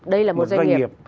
đây là một doanh nghiệp